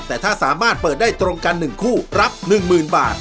แต่ถ้าสามารถเปิดได้ตรงกัน๑คู่รับ๑๐๐๐บาท